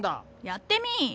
やってみい。